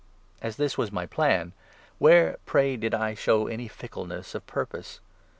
As this was my plan, where, pray, did I show 17 any fickleness of purpose ?